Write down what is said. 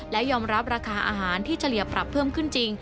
และยอมรับราคาอาหารที่เฉลี่ยปรับเพิ่มขึ้นจริง